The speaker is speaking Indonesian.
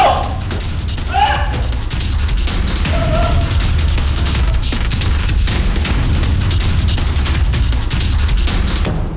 pak pak pak bunga itu